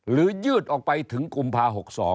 ยืดออกไปถึงกุมภา๖๒